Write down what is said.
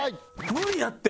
無理やって！